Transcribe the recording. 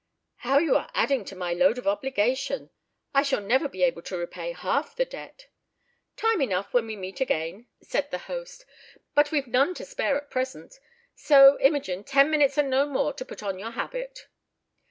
"How you are adding to my load of obligation; I shall never be able to repay half the debt." "Time enough when we meet again," said the host, "but we've none to spare at present. So, Imogen, ten minutes and no more to put on your habit."